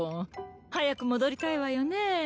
早く戻りたいわよねえ。